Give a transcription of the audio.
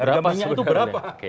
orang yang tahu harganya itu berapa